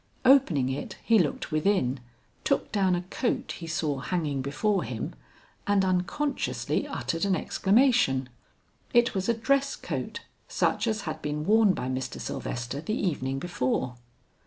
Opening it, he looked within, took down a coat he saw hanging before him, and unconsciously uttered an exclamation. It was a dress coat such as had been worn by Mr. Sylvester the evening before.